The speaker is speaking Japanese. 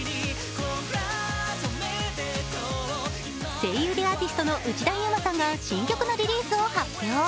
声優でアーティストの内田雄馬さんが新曲のリリースを発表。